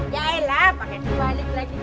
jailah pakai tuwa alik lagi